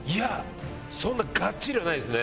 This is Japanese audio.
そんながっちりはないですね。